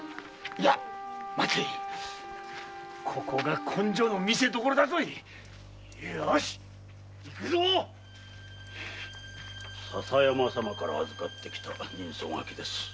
いや待てここが根性の見せどころだよし行くぞ笹山様から預かってきた人相書きです。